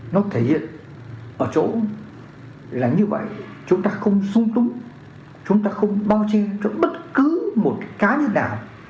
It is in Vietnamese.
nó thể hiện ở chỗ là như vậy chúng ta không dung túng chúng ta không bao che cho bất cứ một cá nhân nào